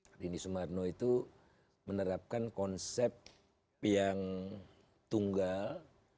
orini sumarno itu menerapkan konsep yang tunggal